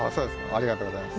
ありがとうございます。